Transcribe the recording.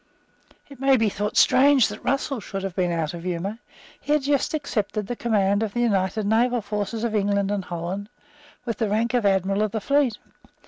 It may be thought strange that Russell should have been out of humour. He had just accepted the command of the united naval forces of England and Holland with the rank of Admiral of the Fleet.